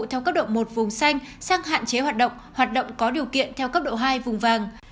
theo cấp độ một vùng xanh sang hạn chế hoạt động hoạt động có điều kiện theo cấp độ hai vùng vàng